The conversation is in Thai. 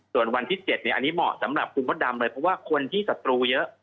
ส่วนวันที่๗เนี่ยอันนี้เหมาะสำหรับคุณมดดำเลยเพราะว่าคนที่ศัตรูเยอะ